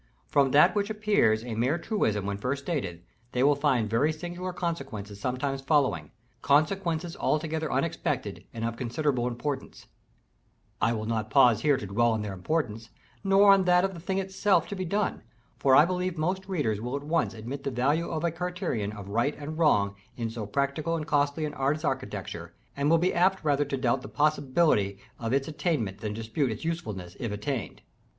From that which appears a mere truism when first stated, they will find very singular consequences sometimes following, consequences altogether unexpected, and of considerable importance; I will not pause here to dwell on their importance, nor on that of the thing itself to be done; for I believe most readers will at once admit the value of a criterion of right and wrong in so practical and costly an art as architecture, and will be apt rather to doubt the possibility of its attainment than dispute its usefulness if attained.